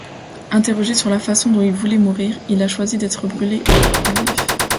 Interrogé sur la façon dont il voulait mourir, il a choisi d'être brûlé vif.